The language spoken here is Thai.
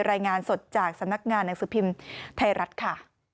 รายงานสดจากสำนักงานหนังสือพิมพ์ไทยรัฐค่ะ